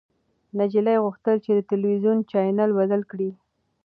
نجلۍ غوښتل چې د تلويزيون چاینل بدل کړي.